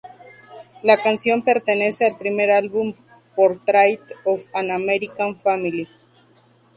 La canción pertenece al primer álbum Portrait of an American Family.